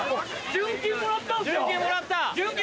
純金もらった。